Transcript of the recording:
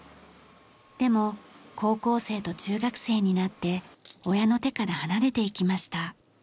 でも高校生と中学生になって親の手から離れていきました。